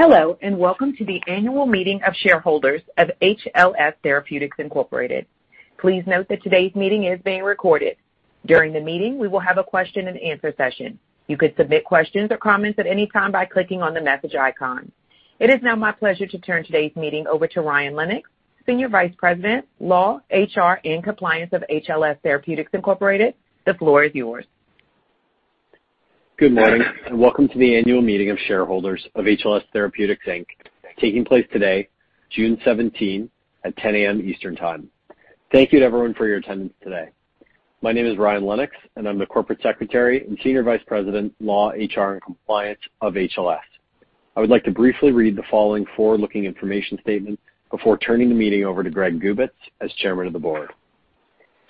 Hello, and welcome to the annual meeting of shareholders of HLS Therapeutics Inc. Please note that today's meeting is being recorded. During the meeting, we will have a question and answer session. You could submit questions or comments at any time by clicking on the message icon. It is now my pleasure to turn today's meeting over to Ryan Lennox, Senior Vice President, Law, HR, and Compliance of HLS Therapeutics Inc. The floor is yours. Good morning, and welcome to the annual meeting of shareholders of HLS Therapeutics Inc, taking place today, June 17, at 10:00 A.M. Eastern Time. Thank you to everyone for your attendance today. My name is Ryan Lennox, and I'm the Corporate Secretary and Senior Vice President, Legal, HR, and Compliance of HLS. I would like to briefly read the following forward-looking information statement before turning the meeting over to Greg Gubitz as Chairman of the Board.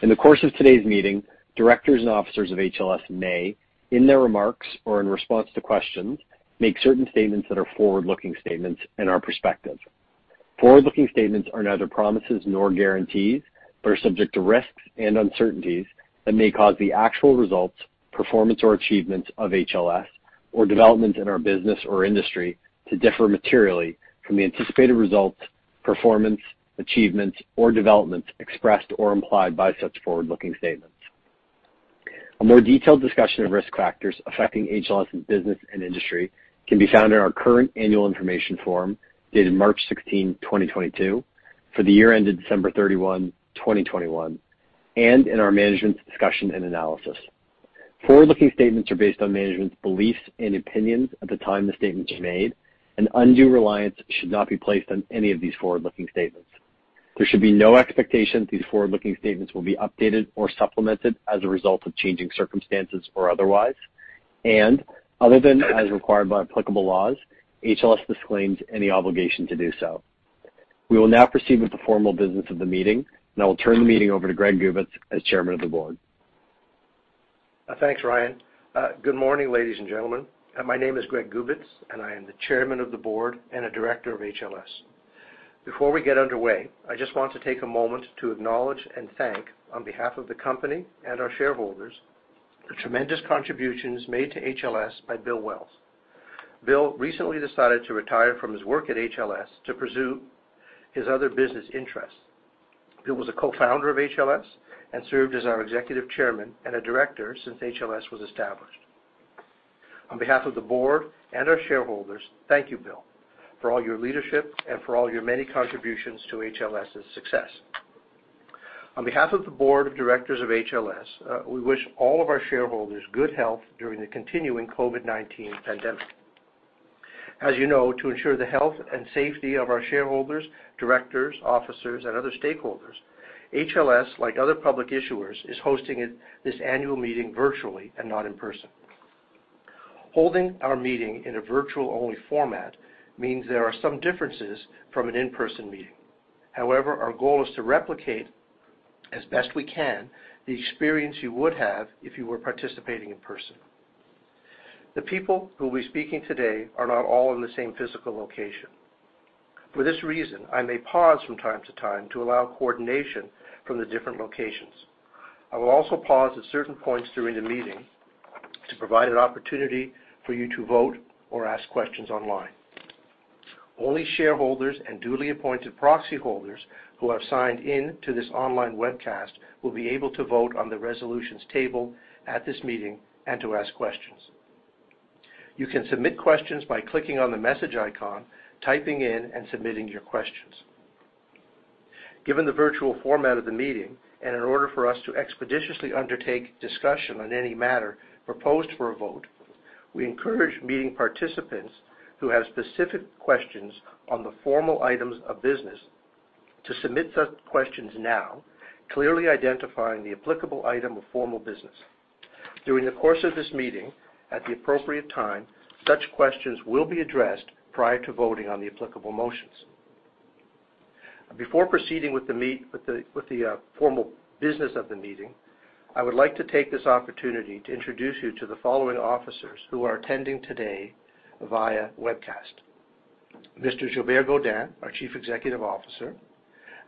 In the course of today's meeting, directors and officers of HLS may, in their remarks or in response to questions, make certain statements that are forward-looking statements and are prospective. Forward-looking statements are neither promises nor guarantees, but are subject to risks and uncertainties that may cause the actual results, performance, or achievements of HLS or developments in our business or industry to differ materially from the anticipated results, performance, achievements, or developments expressed or implied by such forward-looking statements. A more detailed discussion of risk factors affecting HLS' business and industry can be found in our current annual information form dated March 16, 2022, for the year ended December 31, 2021, and in our management's discussion and analysis. Forward-looking statements are based on management's beliefs and opinions at the time the statement is made, and undue reliance should not be placed on any of these forward-looking statements. There should be no expectation that these forward-looking statements will be updated or supplemented as a result of changing circumstances or otherwise. Other than as required by applicable laws, HLS disclaims any obligation to do so. We will now proceed with the formal business of the meeting, and I will turn the meeting over to Greg Gubitz, as Chairman of the Board. Thanks, Ryan. Good morning, ladies and gentlemen. My name is Greg Gubitz, and I am the Chairman of the Board and a Director of HLS. Before we get underway, I just want to take a moment to acknowledge and thank, on behalf of the company and our shareholders, the tremendous contributions made to HLS by Bill Wells. Bill recently decided to retire from his work at HLS to pursue his other business interests. Bill was a co-founder of HLS and served as our Executive Chairman and a Director since HLS was established. On behalf of the board and our shareholders, thank you, Bill, for all your leadership and for all your many contributions to HLS' success. On behalf of the Board of Directors of HLS, we wish all of our shareholders good health during the continuing COVID-19 pandemic. As you know, to ensure the health and safety of our shareholders, directors, officers, and other stakeholders, HLS, like other public issuers, is hosting this annual meeting virtually and not in person. Holding our meeting in a virtual-only format means there are some differences from an in-person meeting. However, our goal is to replicate as best we can the experience you would have if you were participating in person. The people who will be speaking today are not all in the same physical location. For this reason, I may pause from time to time to allow coordination from the different locations. I will also pause at certain points during the meeting to provide an opportunity for you to vote or ask questions online. Only shareholders and duly appointed proxy holders who have signed in to this online webcast will be able to vote on the resolutions tabled at this meeting and to ask questions. You can submit questions by clicking on the message icon, typing in, and submitting your questions. Given the virtual format of the meeting, and in order for us to expeditiously undertake discussion on any matter proposed for a vote, we encourage meeting participants who have specific questions on the formal items of business to submit such questions now, clearly identifying the applicable item of formal business. During the course of this meeting, at the appropriate time, such questions will be addressed prior to voting on the applicable motions. Before proceeding with the formal business of the meeting, I would like to take this opportunity to introduce you to the following officers who are attending today via webcast. Mr. Gilbert Godin, our Chief Executive Officer,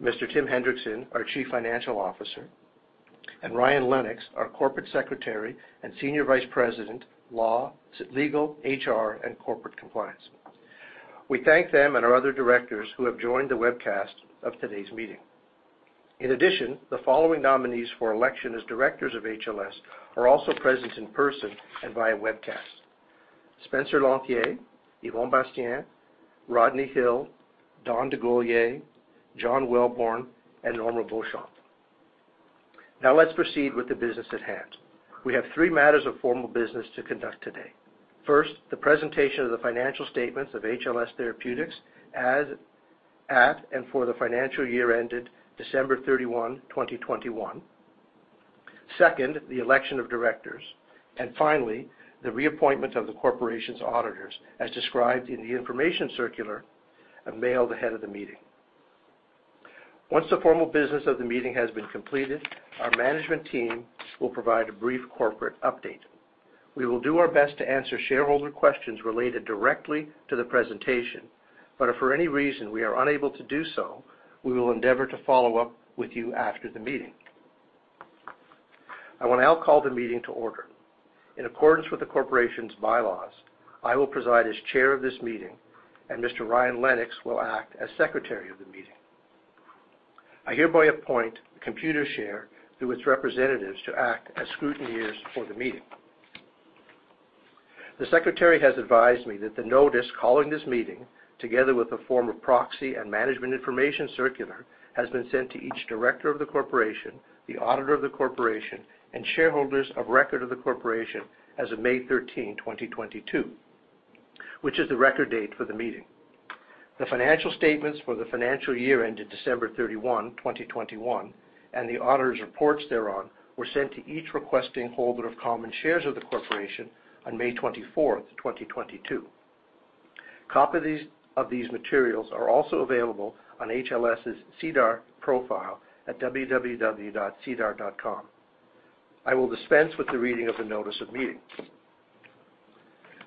Mr. Tim Hendrickson, our Chief Financial Officer, and Ryan Lennox, our Corporate Secretary and Senior Vice President, Law, Legal, HR, and Corporate Compliance. We thank them and our other directors who have joined the webcast of today's meeting. In addition, the following nominees for election as directors of HLS are also present in person and via webcast: Spencer Lanthier, Yvon Bastien, Rodney Hill, Don DeGolyer, John Welborn, and Norma Beauchamp. Now let's proceed with the business at hand. We have three matters of formal business to conduct today. First, the presentation of the financial statements of HLS Therapeutics at and for the financial year ended December 31, 2021. Second, the election of directors. Finally, the reappointment of the corporation's auditors as described in the information circular mailed ahead of the meeting. Once the formal business of the meeting has been completed, our management team will provide a brief corporate update. We will do our best to answer shareholder questions related directly to the presentation, but if for any reason we are unable to do so, we will endeavor to follow up with you after the meeting. I will now call the meeting to order. In accordance with the corporation's bylaws, I will preside as chair of this meeting, and Mr. Ryan Lennox will act as secretary of the meeting. I hereby appoint Computershare through its representatives to act as scrutineers for the meeting. The secretary has advised me that the notice calling this meeting, together with a form of proxy and management information circular, has been sent to each director of the corporation, the auditor of the corporation, and shareholders of record of the corporation as of May 13, 2022, which is the record date for the meeting. The financial statements for the financial year ended December 31, 2021, and the auditors' reports thereon were sent to each requesting holder of common shares of the corporation on May 24, 2022. Copies of these materials are also available on HLS's SEDAR profile at www.sedar.com. I will dispense with the reading of the notice of meeting.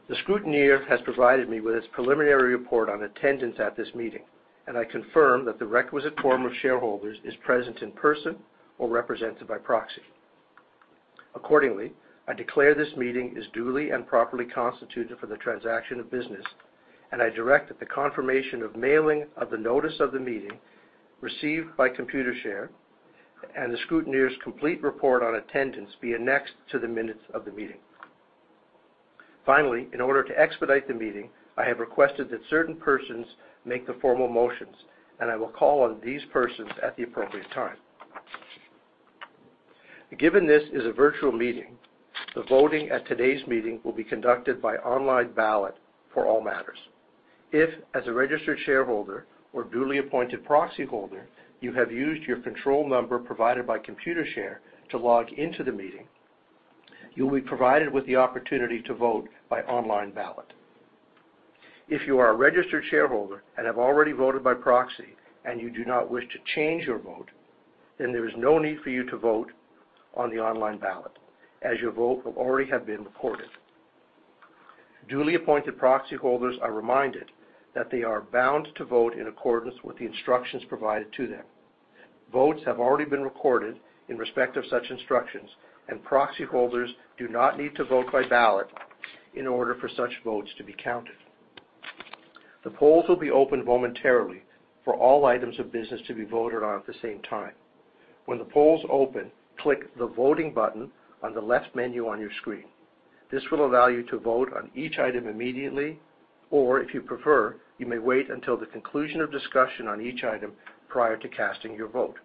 The scrutineer has provided me with his preliminary report on attendance at this meeting, and I confirm that the requisite quorum of shareholders is present in person or represented by proxy. Accordingly, I declare this meeting is duly and properly constituted for the transaction of business, and I direct that the confirmation of mailing of the notice of the meeting received by Computershare and the scrutineer's complete report on attendance be annexed to the minutes of the meeting. Finally, in order to expedite the meeting, I have requested that certain persons make the formal motions, and I will call on these persons at the appropriate time. Given this is a virtual meeting, the voting at today's meeting will be conducted by online ballot for all matters. If, as a registered shareholder or duly appointed proxyholder, you have used your control number provided by Computershare to log into the meeting, you'll be provided with the opportunity to vote by online ballot. If you are a registered shareholder and have already voted by proxy and you do not wish to change your vote, then there is no need for you to vote on the online ballot, as your vote will already have been recorded. Duly appointed proxyholders are reminded that they are bound to vote in accordance with the instructions provided to them. Votes have already been recorded in respect of such instructions, and proxyholders do not need to vote by ballot in order for such votes to be counted. The polls will be open momentarily for all items of business to be voted on at the same time. When the polls open, click the Voting button on the left menu on your screen. This will allow you to vote on each item immediately, or if you prefer, you may wait until the conclusion of discussion on each item prior to casting your vote.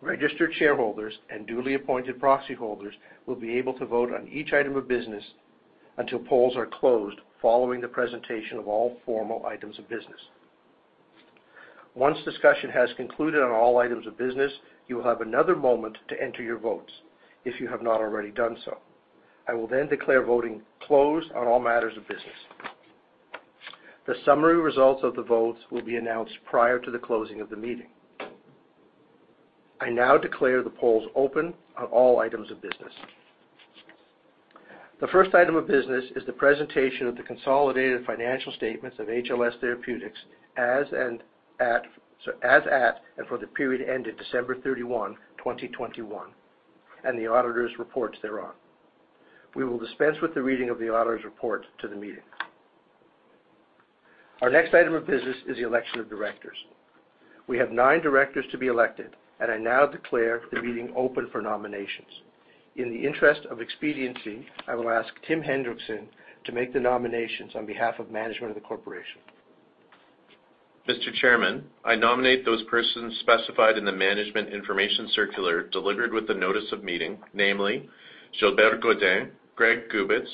Registered shareholders and duly appointed proxyholders will be able to vote on each item of business until polls are closed, following the presentation of all formal items of business. Once discussion has concluded on all items of business, you will have another moment to enter your votes if you have not already done so. I will then declare voting closed on all matters of business. The summary results of the votes will be announced prior to the closing of the meeting. I now declare the polls open on all items of business. The first item of business is the presentation of the consolidated financial statements of HLS Therapeutics as at, and for the period ended December 31, 2021, and the auditors' reports thereon. We will dispense with the reading of the auditors' report to the meeting. Our next item of business is the election of directors. We have nine directors to be elected, and I now declare the meeting open for nominations. In the interest of expediency, I will ask Tim Hendrickson to make the nominations on behalf of management of the corporation. Mr. Chairman, I nominate those persons specified in the management information circular delivered with the notice of meeting, namely Gilbert Godin, Greg Gubitz,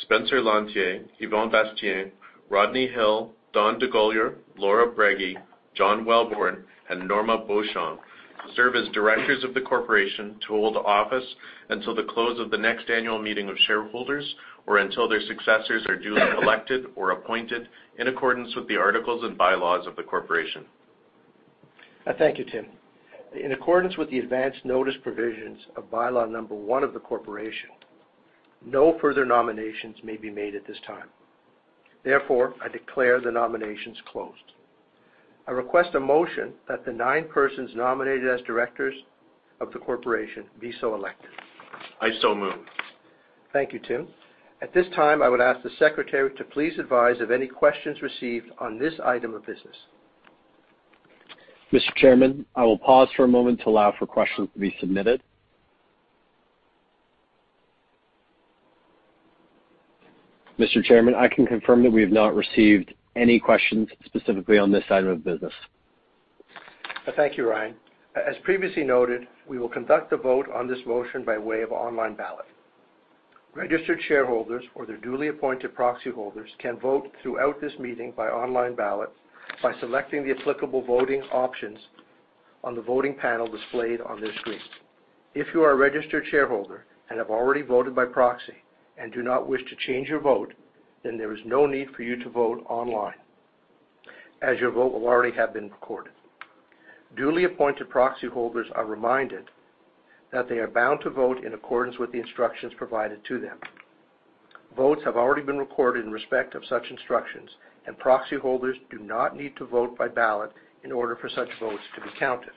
Spencer Lanthier, Yvon Bastien, Rodney Hill, Don DeGolyer, Laura Brege, John Welborn, and Norma Beauchamp, to serve as directors of the corporation to hold office until the close of the next annual meeting of shareholders or until their successors are duly elected or appointed in accordance with the articles and bylaws of the corporation. I thank you, Tim. In accordance with the advance notice provisions of Bylaw Number 1 of the corporation, no further nominations may be made at this time. Therefore, I declare the nominations closed. I request a motion that the nine persons nominated as directors of the corporation be so elected. I so move. Thank you, Tim. At this time, I would ask the secretary to please advise of any questions received on this item of business. Mr. Chairman, I will pause for a moment to allow for questions to be submitted. Mr. Chairman, I can confirm that we have not received any questions specifically on this item of business. Thank you, Ryan. As previously noted, we will conduct a vote on this motion by way of online ballot. Registered shareholders or their duly appointed proxyholders can vote throughout this meeting by online ballot by selecting the applicable voting options on the voting panel displayed on their screen. If you are a registered shareholder and have already voted by proxy and do not wish to change your vote, then there is no need for you to vote online, as your vote will already have been recorded. Duly appointed proxyholders are reminded that they are bound to vote in accordance with the instructions provided to them. Votes have already been recorded in respect of such instructions, and proxy holders do not need to vote by ballot in order for such votes to be counted.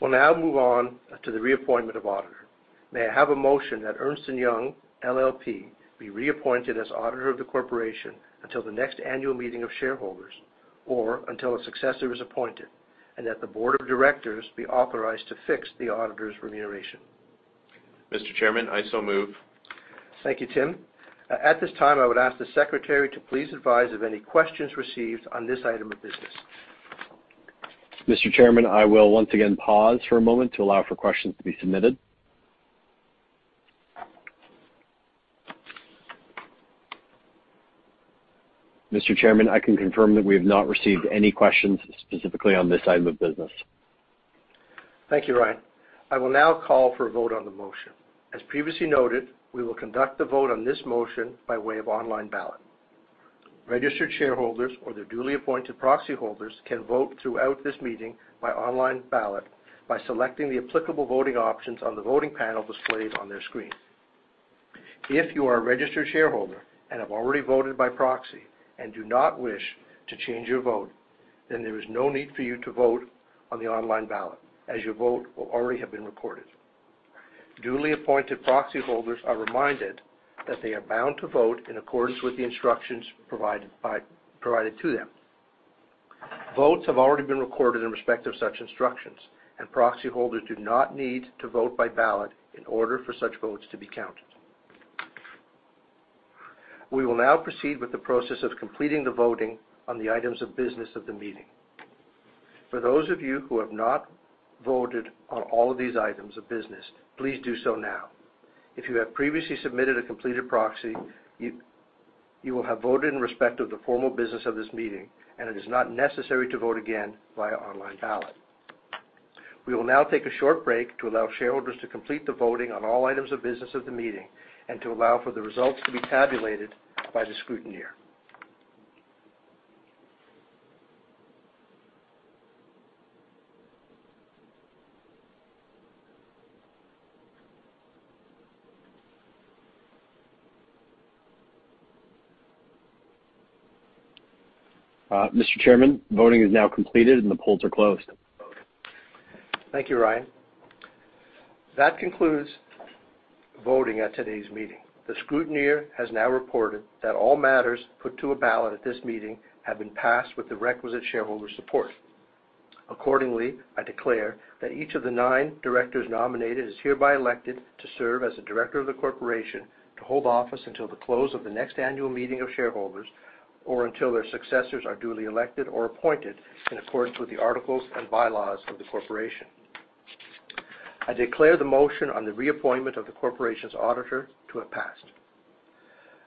We'll now move on to the reappointment of auditor. May I have a motion that Ernst & Young LLP be reappointed as auditor of the corporation until the next annual meeting of shareholders, or until a successor is appointed, and that the board of directors be authorized to fix the auditor's remuneration? Mr. Chairman, I so move. Thank you, Tim. At this time, I would ask the secretary to please advise of any questions received on this item of business. Mr. Chairman, I will once again pause for a moment to allow for questions to be submitted. Mr. Chairman, I can confirm that we have not received any questions specifically on this item of business. Thank you, Ryan. I will now call for a vote on the motion. As previously noted, we will conduct the vote on this motion by way of online ballot. Registered shareholders or their duly appointed proxy holders can vote throughout this meeting by online ballot by selecting the applicable voting options on the voting panel displayed on their screen. If you are a registered shareholder and have already voted by proxy and do not wish to change your vote, then there is no need for you to vote on the online ballot, as your vote will already have been recorded. Duly appointed proxy holders are reminded that they are bound to vote in accordance with the instructions provided to them. Votes have already been recorded in respect of such instructions, and proxy holders do not need to vote by ballot in order for such votes to be counted. We will now proceed with the process of completing the voting on the items of business of the meeting. For those of you who have not voted on all of these items of business, please do so now. If you have previously submitted a completed proxy, you will have voted in respect of the formal business of this meeting, and it is not necessary to vote again via online ballot. We will now take a short break to allow shareholders to complete the voting on all items of business of the meeting and to allow for the results to be tabulated by the scrutineer. Mr. Chairman, voting is now completed, and the polls are closed. Thank you, Ryan. That concludes voting at today's meeting. The scrutineer has now reported that all matters put to a ballot at this meeting have been passed with the requisite shareholder support. Accordingly, I declare that each of the nine directors nominated is hereby elected to serve as a director of the corporation to hold office until the close of the next annual meeting of shareholders, or until their successors are duly elected or appointed in accordance with the articles and bylaws of the corporation. I declare the motion on the reappointment of the corporation's auditor to have passed.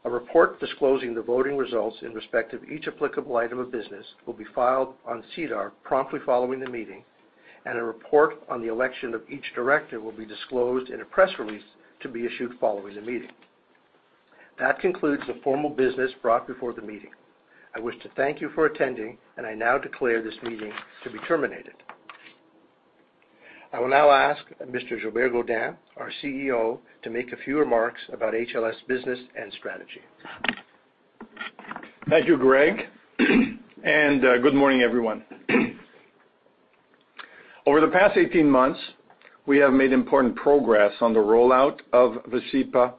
A report disclosing the voting results in respect of each applicable item of business will be filed on SEDAR promptly following the meeting, and a report on the election of each director will be disclosed in a press release to be issued following the meeting. That concludes the formal business brought before the meeting. I wish to thank you for attending, and I now declare this meeting to be terminated. I will now ask Mr. Gilbert Godin, our CEO, to make a few remarks about HLS business and strategy. Thank you, Greg. Good morning, everyone. Over the past 18 months, we have made important progress on the rollout of Vascepa,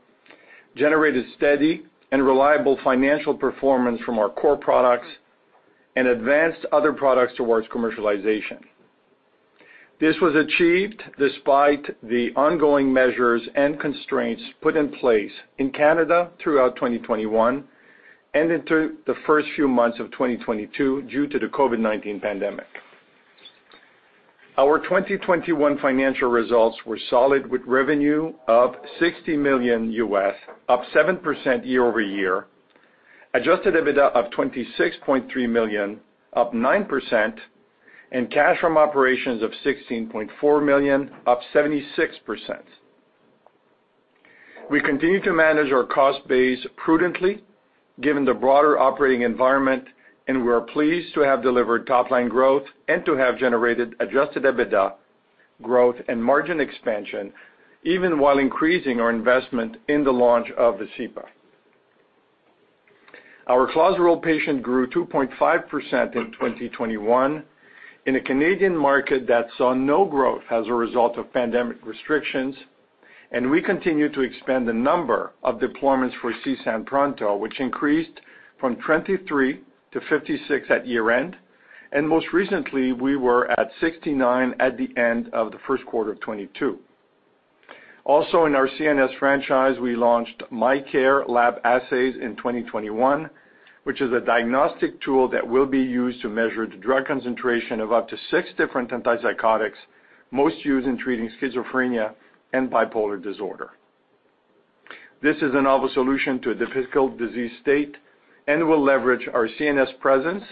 generated steady and reliable financial performance from our core products, and advanced other products towards commercialization. This was achieved despite the ongoing measures and constraints put in place in Canada throughout 2021 and into the first few months of 2022 due to the COVID-19 pandemic. Our 2021 financial results were solid with revenue of $60 million, up 7% year-over-year, adjusted EBITDA of $26.3 million, up 9%, and cash from operations of $16.4 million, up 76%. We continue to manage our cost base prudently given the broader operating environment, and we are pleased to have delivered top-line growth and to have generated adjusted EBITDA growth and margin expansion even while increasing our investment in the launch of VASCEPA. Our CLOZARIL patient grew 2.5% in 2021 in a Canadian market that saw no growth as a result of pandemic restrictions, and we continue to expand the number of deployments for CSAN Pronto, which increased from 23 to 56 at year-end, and most recently, we were at 69 at the end of the first quarter of 2022. Also, in our CNS franchise, we launched MyCare Lab Assays in 2021, which is a diagnostic tool that will be used to measure the drug concentration of up to six different antipsychotics, most used in treating schizophrenia and bipolar disorder. This is a novel solution to a difficult disease state and will leverage our CNS presence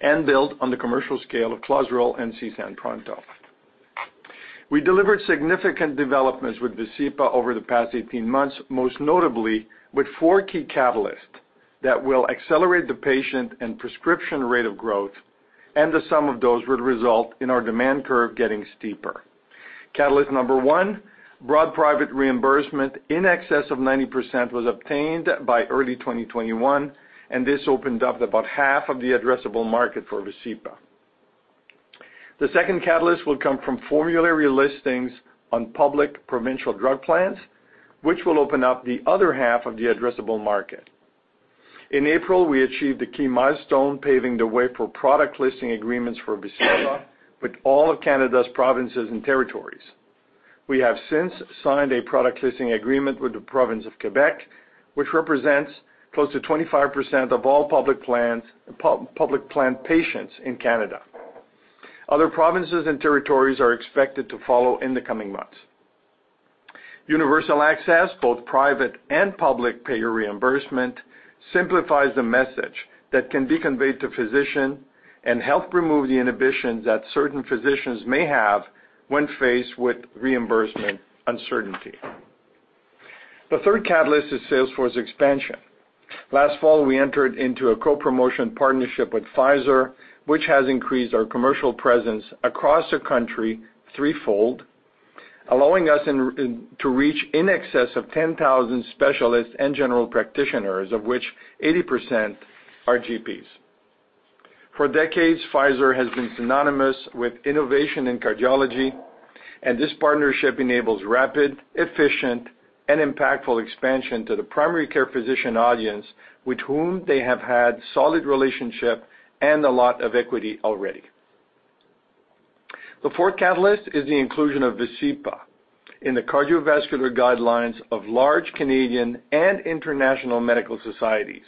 and build on the commercial scale of CLOZARIL and CSAN Pronto. We delivered significant developments with VASCEPA over the past 18 months, most notably with four key catalysts that will accelerate the patient and prescription rate of growth, and the sum of those would result in our demand curve getting steeper. Catalyst Number 1, broad private reimbursement in excess of 90% was obtained by early 2021, and this opened up about half of the addressable market for VASCEPA. The second catalyst will come from formulary listings on public provincial drug plans, which will open up the other half of the addressable market. In April, we achieved a key milestone, paving the way for product listing agreements for VASCEPA with all of Canada's provinces and territories. We have since signed a product listing agreement with the province of Quebec, which represents close to 25% of all public plan patients in Canada. Other provinces and territories are expected to follow in the coming months. Universal access, both private and public payer reimbursement, simplifies the message that can be conveyed to physicians and help remove the inhibitions that certain physicians may have when faced with reimbursement uncertainty. The third catalyst is sales force expansion. Last fall, we entered into a co-promotion partnership with Pfizer, which has increased our commercial presence across the country threefold, allowing us to reach in excess of 10,000 specialists and general practitioners, of which 80% are GPs. For decades, Pfizer has been synonymous with innovation in cardiology, and this partnership enables rapid, efficient, and impactful expansion to the primary care physician audience with whom they have had solid relationship and a lot of equity already. The fourth catalyst is the inclusion of VASCEPA in the cardiovascular guidelines of large Canadian and international medical societies.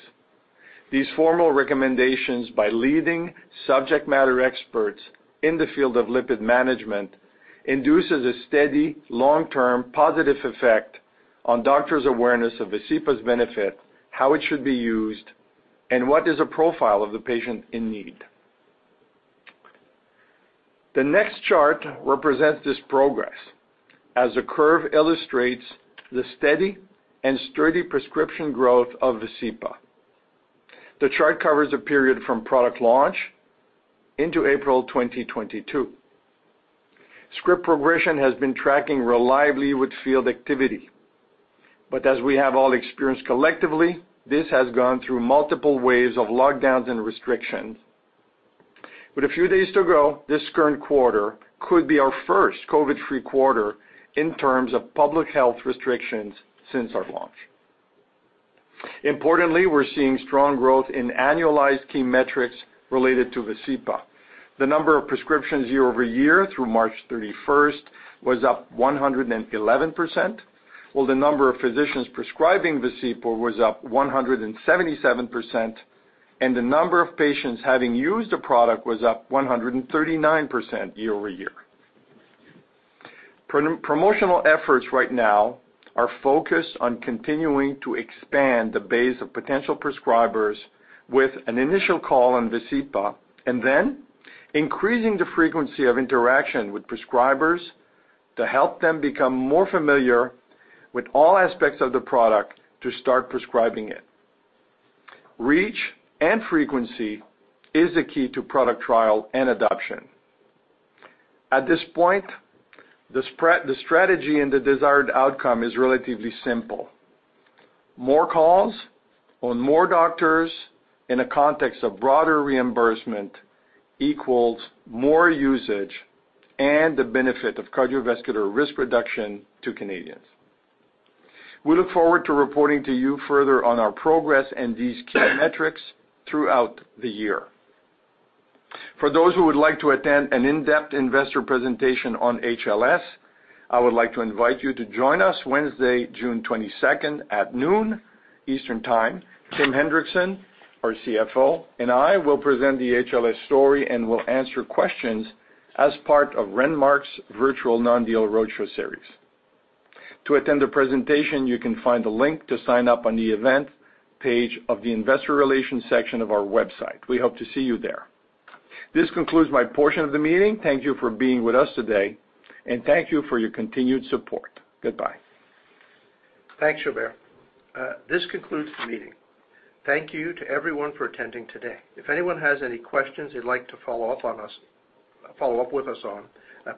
These formal recommendations by leading subject matter experts in the field of lipid management induces a steady, long-term positive effect on doctors' awareness of VASCEPA's benefit, how it should be used, and what is a profile of the patient in need. The next chart represents this progress, as the curve illustrates the steady and sturdy prescription growth of VASCEPA. The chart covers a period from product launch into April 2022. Script progression has been tracking reliably with field activity. As we have all experienced collectively, this has gone through multiple waves of lockdowns and restrictions. With a few days to go, this current quarter could be our first COVID-free quarter in terms of public health restrictions since our launch. Importantly, we're seeing strong growth in annualized key metrics related to VASCEPA. The number of prescriptions year-over-year through March 31st was up 111%, while the number of physicians prescribing VASCEPA was up 177%, and the number of patients having used the product was up 139% year-over-year. Promotional efforts right now are focused on continuing to expand the base of potential prescribers with an initial call on VASCEPA, and then increasing the frequency of interaction with prescribers to help them become more familiar with all aspects of the product to start prescribing it. Reach and frequency is the key to product trial and adoption. At this point, the strategy and the desired outcome is relatively simple. More calls on more doctors in a context of broader reimbursement equals more usage and the benefit of cardiovascular risk reduction to Canadians. We look forward to reporting to you further on our progress and these key metrics throughout the year. For those who would like to attend an in-depth investor presentation on HLS, I would like to invite you to join us Wednesday, June 22nd at noon Eastern Time. Tim Hendrickson, our CFO, and I will present the HLS story and will answer questions as part of Renmark's virtual non-deal roadshow series. To attend the presentation, you can find the link to sign up on the event page of the investor relations section of our website. We hope to see you there. This concludes my portion of the meeting. Thank you for being with us today, and thank you for your continued support. Goodbye. Thanks, Gilbert. This concludes the meeting. Thank you to everyone for attending today. If anyone has any questions you'd like to follow up with us on,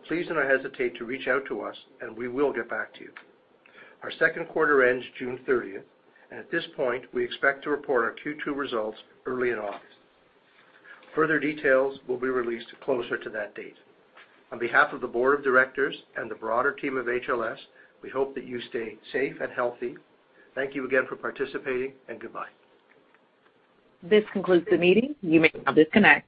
please do not hesitate to reach out to us, and we will get back to you. Our second quarter ends June 30th, and at this point, we expect to report our Q2 results early in August. Further details will be released closer to that date. On behalf of the board of directors and the broader team of HLS, we hope that you stay safe and healthy. Thank you again for participating, and goodbye. This concludes the meeting. You may now disconnect.